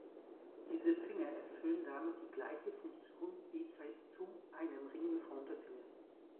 Diese Finger erfüllen damit die gleiche Funktion wie zwei zu einem Ring geformte Finger.